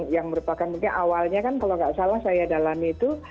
yang merupakan mungkin awalnya kan kalau tidak salah saya dalam itu